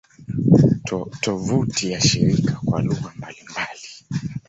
Tovuti ya shirika kwa lugha mbalimbali